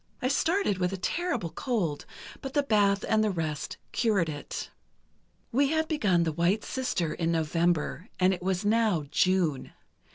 I started with a terrible cold, but the bath and the rest cured it. "We had begun 'The White Sister' in November, and it was now June.